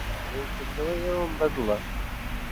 ڕوونکردنەوەی ئێوەم بەدڵە.